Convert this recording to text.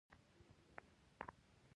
چیرې یې ځای پر ځای کړل.